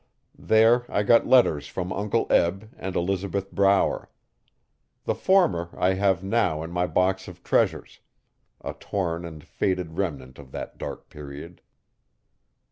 There I got letters from Uncle Eb and Elizabeth Brower. The former I have now in my box of treasures a torn and faded remnant of that dark period.